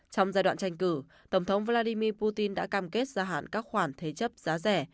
trong giai đoạn tranh cử tổng thống vladimir putin đã cam kết gia hạn các khoản thế chấp giá rẻ